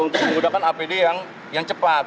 untuk menggunakan apd yang cepat